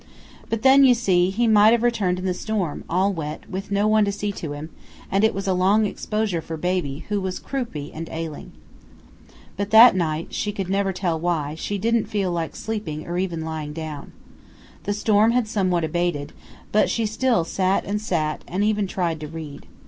But then, you see, he might have returned in the storm, all wet, with no one to see to him; and it was a long exposure for baby, who was croupy and ailing. But that night, she never could tell why, she didn't feel like sleeping or even lying down. The storm had somewhat abated, but she still "sat and sat," and even tried to read.